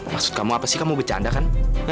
maksud kamu apa sih kamu bercanda kan